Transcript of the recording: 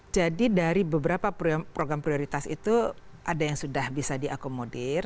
jadi dari beberapa program prioritas itu ada yang sudah bisa diakomodir